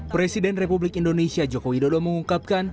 presiden republik indonesia jokowi dodo mengungkapkan